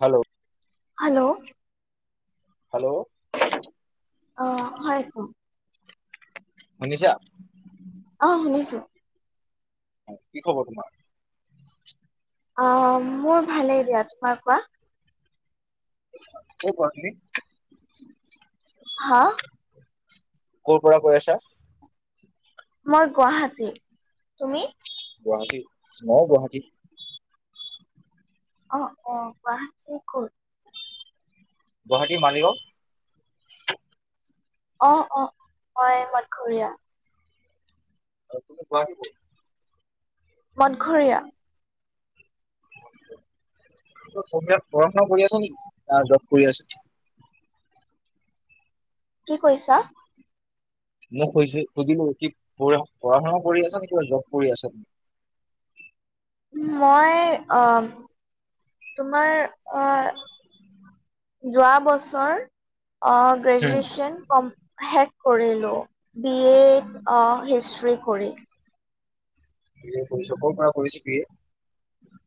Hello hello hello অ' হয় কম শুনিছা অঁ শুনিছো কি খবৰ তোমাৰ অঁ মোৰ ভালেই দিয়া তোমাৰ কোৱা [unintelligible] হাঁ ক'ৰ পৰা কৈ আছা মই গুৱাহাটী তুমি গুৱাহাটী ময়ো গুৱাহাটী অঁ অঁ গুৱাহাটীৰ ক'ৰ গুৱাহাটী মালিগাঁও অঁ অঁ মই মথঘৰীয়া আৰু তুমি গুৱাহাটীৰ ক'ৰ মথঘৰীয়া তিয়াত পঢ়াশুনা কৰি আছ নেকি ত জব কৰি আছো কি কৈছা মোক সু সুধিলো কি পঢ়া শুনা কৰি আছা নে কিবা জব কৰি আছা তুমি উ মই অঁ তোমাৰ অঁ যোৱা বছৰ অ' হুম। গ্ৰেজুৱেচন কম অঁ শেষ কৰিলো বি এ অঁ হিষ্ট্ৰি কৰি বি এ কৰিছো ক'ৰ পৰা কৰিছ B A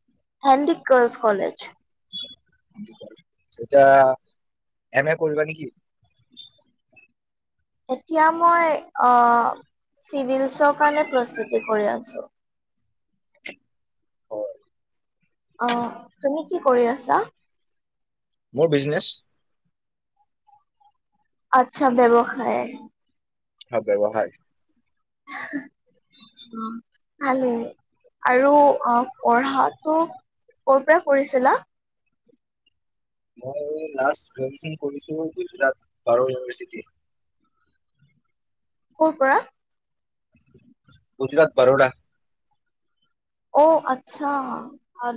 Handique girls college এতিয়া এম এ কৰিবা নে কি এতিয়া মই আহ চিভিলছৰ কাৰণে প্ৰস্তুতি কৰি আছো হয় অঁ তুমি কি কৰি আছা মোৰ বিজনেচ আচ্ছা ব্যৱসায় হয় ব্যৱসায় ভালেই আৰু অঁ পঢ়াটো ক'ৰ পৰা কৰিছিলা মই লাষ্ট গ্ৰেজুৱেচন কৰিছো কৈছো তাত ভাৰ ইউনিভাৰ্চিটি কৰ পৰা গুজৰাত বৰোদা অ' আচ্ছা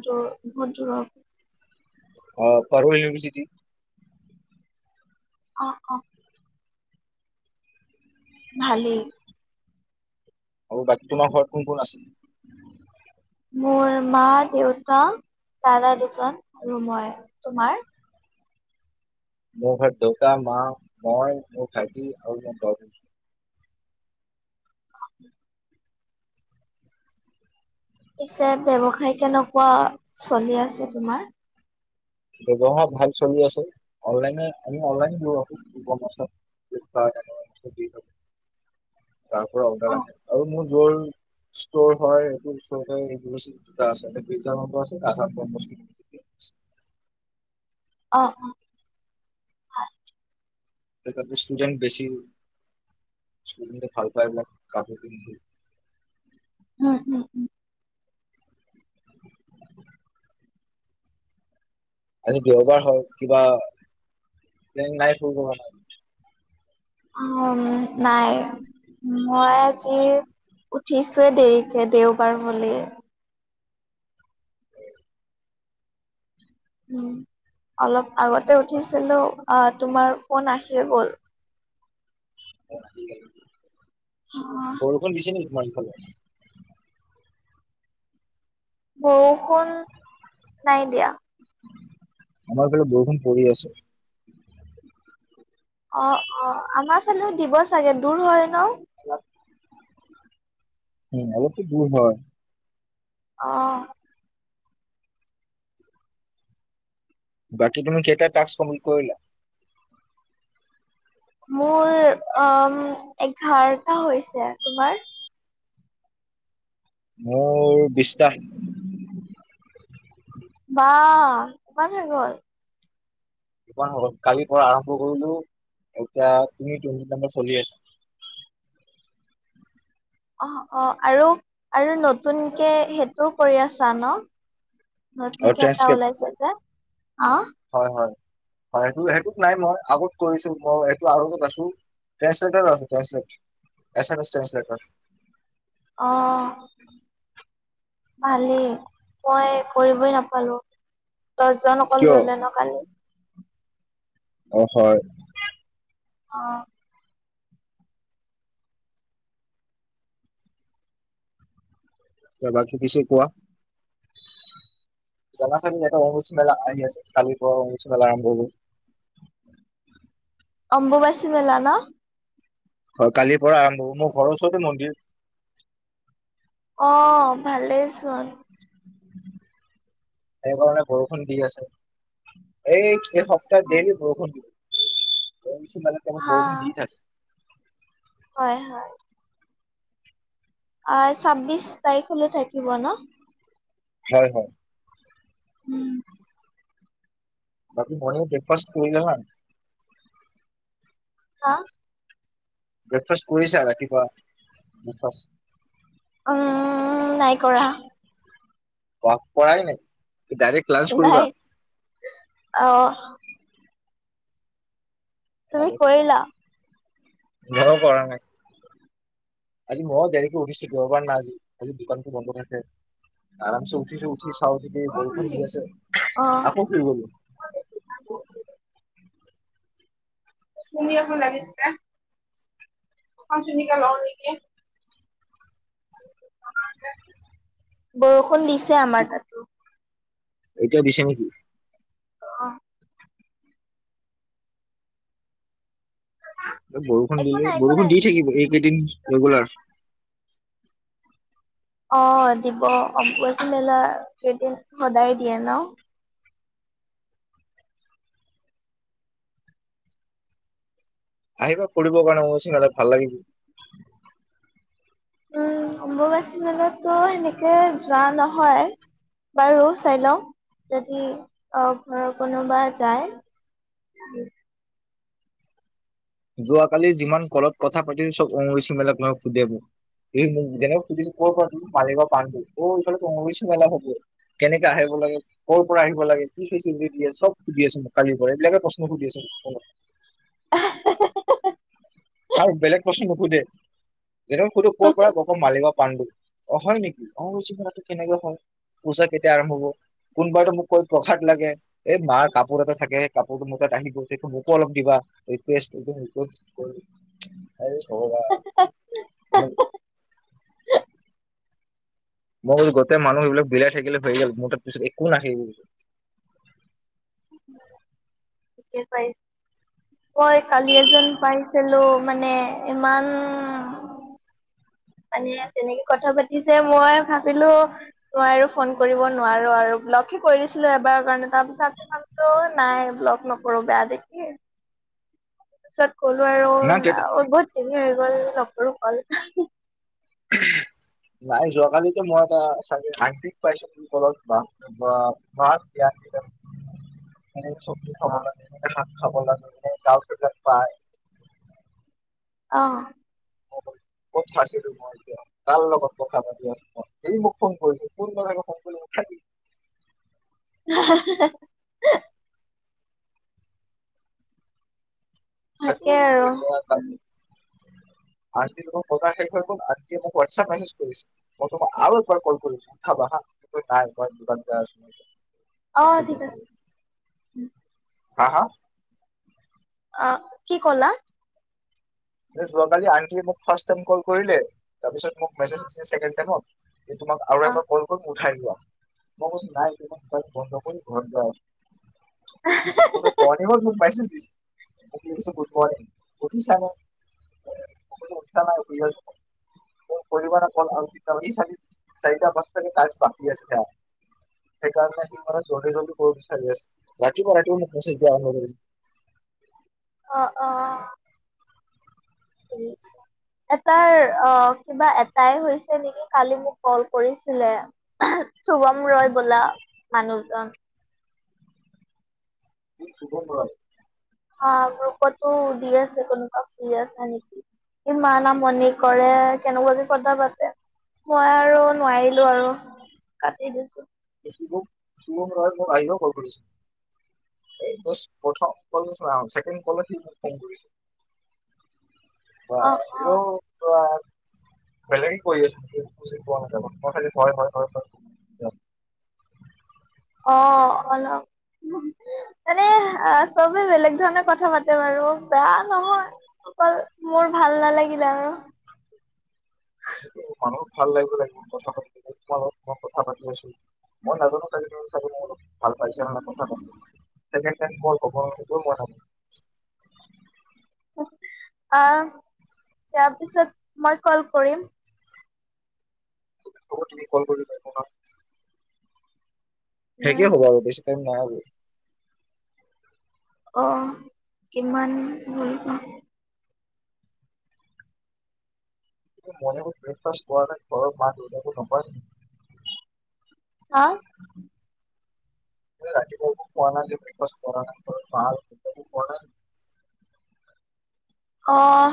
দুৰ বহুত দূৰত অ পভল ইউনিভাৰ্চিটি। অ অ। ভালেই। আৰু বাকী তোমাৰ ঘৰত কোন কোন আছে? মোৰ মা দেউতা দাদা দুজন আৰু মই, তোমাৰ? মোৰ ঘৰত দেউতা, মা, মই মোৰ ভাইটি আৰু মোৰ ব- পিছে ব্যৱসায় কেনেকুৱা চলি আছে তোমাৰ? ব্যৱসায় ভাল চলি আছে অনলাইনে আমি অনলাইনে আ তাৰ পৰা অৰ্ডাৰ অ আহে আৰু মোৰ ষ্টৰ হয় এইটো আছে, অ অ হয়। তপ ষ্টুডেন্ট বেছি ষ্টুডেণ্টয়ে ভাল পায় এইবিলাক কাপোৰ পিন্ধি। উম উম উম। আজি দেওবাৰ হয় কিবা প্লেন নাই ফুৰিব কাৰনে। অ। নাই মই আজি উঠিছোৱে দেৰিকে দেওবাৰ বুলি। উম অলপ আগতে উঠিছিলো। অ তোমাৰ ফোন আহি গল। আহ, [unintelligible] বৰষুণ দিছে নেকি তোমাৰ হব। বৰষুণ নাই দিয়া। আমাৰ ফালে বৰষুণ পৰি আছে। অ অ আমাৰ ফালেও দিব চাগে দূৰ হয় ন অলপ। উম অলপ টো দূৰ হয়। আহ। বাকী তুমি কেইটা টাস্ক কমপ্লিট কৰিলা? মোৰ অ এঘাৰটা হৈছে। তোমাৰ? মোৰ বিশছটা। বাহ ইমান হৈ গল। কালিৰ পৰা আৰম্ভ কৰিলো এতিয়া তুমি চলি আছে। অ অ আৰু আৰু নতুনকে সেইটোও কৰি আছা ন। আৰু নতুনকে এটা ট্ৰেন্সক্ৰিপ্ট ওলাইছে যে। অঁ। হয় হয় হয় সেইটোক নাই মই আগত কৰিছো মই, ট্ৰেন্সলেট হয় ট্ৰেন্সলেট, আছামিজ ট্ৰেন্সলেটৰ হয়। অ। ভালেই মই কৰিবই নাপালোঁ। দহজন অকল কিয় ললে ন কালি। অ হয়। অ। ত বাকী পিছে কোৱা? জা চাগে এটা অম্বুবাচী মেলা আহি আছে কালিৰ পুৱাৰ অম্বুবাচী মেলা আৰম্ভ হল অম্বুবাচী মেলা ন হয় কালিৰ পৰা আৰম্ভ হব মোৰ ঘৰৰ ওচৰতে মন্দিৰ অ', ভালেই চোন। সেইকাৰণে বৰষুণ দি আছে এই এইটো সপ্তাহ ডেইলী বৰষূণ এইফালে বহুত হা বৰষুণ দি থাকে হয় হয় অঁ ছাব্বিশ তাৰিখ লৈকে থাকিব ন? হয় হয়। উম। বাকি মৰ্নিং ব্ৰেকফাষ্ট কৰিলা নাই? হাঁ? ব্ৰেকফাষ্ট কৰিছা ৰাতিপুৱা ব্ৰেকফাষ্ট। উম নাই কৰা। বা কৰায়ে নাই? ডাইৰেক্ট লাঞ্চ নাই কৰিবা? অ', তুমি ভালে কৰিলা? মইও কৰা নাই আজি মইও দেৰিকে উঠিছো দেওবাৰ না আজি আজি দোকানটো বন্ধ থাকে আৰামছে উঠো। উঠিচো উঠি চাও যে বৰষুণ দি আছে অ আকৌ শুই গলো। চুৰ্ণী এখন লাগিছিলে। এইখন চুৰ্ণীকে লওঁ নেকি? বৰষুণ দিছে। দিছে কি আমাৰ তাতো। এতিয়া দিছে নেকি? অঁ বৰষুণ একো দিলে নাই একো বৰষুণ নাই। দি থাকিব এইকেইদিন ৰেগুলাৰ। অঁ দিব অম্বুবাচী মেলা কেইদিন সদায় দিয়ে ন? আহিবা ফুৰিব কাৰণে অম্বুবাচী মেলাত ভাল লাগিব। উম অম্বুবাচী মেলাতো সেনেকে যোৱা নহয় বাৰু চাই লওঁ যদি অ' ঘৰৰ কোনোবা যায়। যোৱাকালি যিমান কলত কথা পাতিল চব অম্বুবাচী মেলাক লৈ সোধে মোক এই মোক যেনেক সুধিছো ক পৰা পাৰিব পাৰি অঁ এইফা লেটো অম্বুবাচী মেলা হব কেনেকে আহিব লাগে কৰ পৰা আহিব লাগে কি ফেচিলিটি দিয়ে চব সুধি আছে মোক কালিৰ পৰা এইবিলাকে প্ৰশ্ন সুধি আছ মোক। [unintelligible] আৰু বেলেগ প্ৰশ্ন নোসোধে। যেনে সোধে ক'ৰ পৰা মই কওঁ মালিগাওঁ পাণ্ডু। অ' হয় নেকি অ অম্বুবাচি মেলাটো কেনেকে হয় পূজা কেতিয়া আৰম্ভ হব কোনবাৰে মোক কৈ প্ৰসাদ লাগে এ মাৰ কাপোৰ এটা থাকে কাপোৰটো মোৰ তাত আহিব সেই মোকো অলপ দিবা ৰিকুৱেষ্ট [unintelligible] হে ভগবান মোৰ গোটেই মানুহ সেইবিলাক বিলাই থাকিলে হৈৰি গল মোৰ তাৰ পিছত একো নাহে । ঐ কালি এজন পাইছিলো মানে ইমান মানে তেনেকে কথা পাতিছে মই ভাবিলো তই আৰু ফোন কৰিব নোৱাৰো আৰু ব্লক হে কৰি দিছিলো এবাৰ কাৰণে। তাৰপিছত আকৌ নাই ব্লগ নক বৰ বেয়া দেখে পিছত ক'লো আৰু না কেইটা অ বহুত এনে হৈ গ'ল নকৰোঁ। অকল নাই যোৱাকালি টো যে মই আটা চ আটিক পাইছ তম বল ব মান চবজ খাব অ। লাগে। খাবলৈ লাগে পায়। আহ। ক'ত খাইছিলো মই এতিয়া তাৰ লগত কথা পাতি আছ স মোক ফোন কৰিছো কোন লগাকে ফোন কৰি ম [unintelligible] থাকেই আৰু। আনজি তোমাৰ কথা শেষ হৈ গল আনজি মোক হোৱাটছআপ মেছেজ কৰিছে মই তোমাক আৰু এবাৰ কল কৰিছ উঠাবা হা নাই দোকান য অ ঠিক আ হা হা অ কি কলা? যোৱাকালি আন্টিয়ে মোক ফাৰ্ষ টাই কল কৰিলে, তাৰপিছত মোক মেজ দিছেকে টাইমত। এই তোমাক আৰু অ' এবাৰ কল খাই মই কৈছ নাই বন্ধ কৰি ঘৰ যাই আছো। মৰ্নিঙত মোক মেচেজ গুড মৰ্ণং কঠি চানে। উঠা নাই শুই আছো মই কৰিব চি চাৰিটা পাঁচটে ক বাক আছে সেইকাৰণে সি মানে জলদি জলদি কৰিব বিচাৰি আছে ৰাতিপুৱা ৰাতিপুৱা মোক মেচেজ দিয়া আৰম্ভ কৰিছে। অ অ। এটাৰ অ কিবা এটাই হৈছে নেকি কালি মোক কল কৰিছিলে। শুভম ৰয় বোলা মানুহজন। শুভম ৰয়। হা গ্ৰুপতো দি আছে কোনোবা শুই আছা নেকি ইমান আমনি কৰে কেনেকুৱাকে কথা পাতে মই আৰু নোৱাৰিলো আৰু কাটি দিছো। শুভম ৰয় মোক আইজিও কল কৰিছিল প্ৰথম কলে ছেকেণ্ড কল ও মোক পোন কৰিছে। অ [unintelligible] বেলেগে কৰি আছে মই একো বুজি পোৱা নাই মই খালি হয় হয় হয়। অ অলপ এনে চবে বেলেগ ধৰণে কথা পাতে বাৰু বেয়া নহয় অকল মোৰ ভাল নালাগিলে আৰু। মানুহ ভাল লাগিব লাগিব মই কথা পাতি আছো মই নাজানো ত ভাল পাইছে কথা প মই কব মই ভো আহ তাৰপিছত মই কল কৰিম। তুমি কল কৰিবা। সেকে উম। হ'ব আৰু বেছি টাইম। [unintelligible] অহ, কিমান ভুলটো কিন্তু মন ব্ৰেকফাষ্ট কৰা নাই ঘৰত মাত ওলিয়াব নপাৰে অ', প ন ন ব [unintelligible] অ'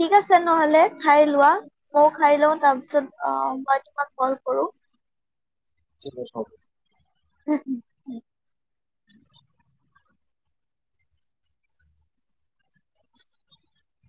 ঠিক আছে নহলে খাই লোৱা মই খাই লওঁ তাৰপিছত অহ, মই তোমাক কল কৰো। [unintelligible] উম, উম, উম। [inaudible] [inaudible]